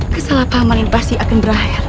kesalahpahaman ini pasti akan berakhir